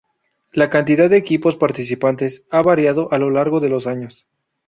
La cantidad de equipos participantes ha variado a lo largo de los años.